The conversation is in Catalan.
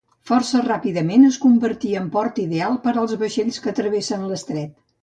Força ràpidament, es convertí en port ideal per als vaixells que travessaven l'estret.